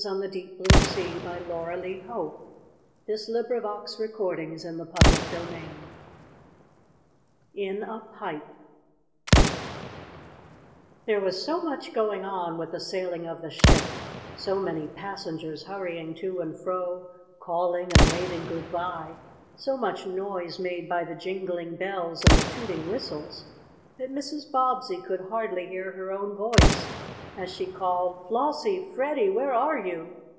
"No," answered his wife. "Oh, where are they?" The two little Bobbsey twins were not in sight. CHAPTER VI IN A PIPE There was so much going on with the sailing of the ship so many passengers hurrying to and fro, calling and waving good bye, so much noise made by the jingling bells and the tooting whistles that Mrs. Bobbsey could hardly hear her own voice as she called: "Flossie! Freddie! Where are you?"